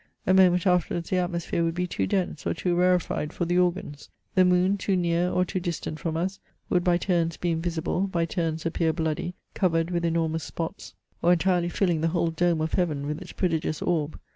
A moment afterwards the atmosphere would be too dense or too rarefied for the organs. The moon, too near or too distant from us, would by turns be invisible, by turns appear bloody; • covered with enormous spots, or entirely filling the whole dome of heaven with its prodigious orb.